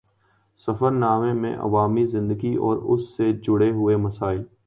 سفر نامے میں عوامی زندگی اور اُس سے جڑے ہوئے مسائل